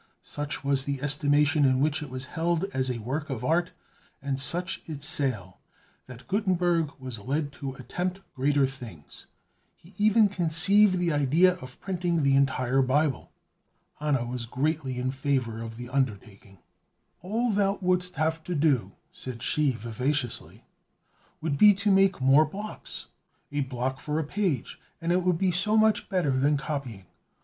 Such was the estimation in which it was held as a work of art, and such its sale, that Gutenberg was led to attempt greater things; he even conceived the idea of printing the entire Bible. Anna was greatly in favor of the undertaking. "All thou wouldst have to do," said she, vivaciously, "would be to make more blocks, a block for a page; and it would be so much better than copying.